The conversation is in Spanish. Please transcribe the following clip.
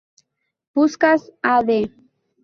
Puskás, Ad.